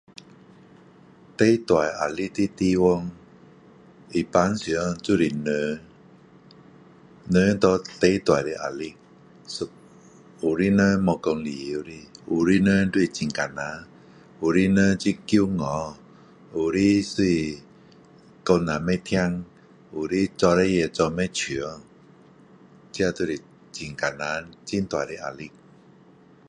最大压力的地方一般上就是人人拿最大的压力有的人没有讲理由的有的人就是很难有的人很骄傲有的就是说了不会听有的做事情做不像这就是很难很大的压力